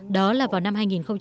đó là vào năm hai nghìn sáu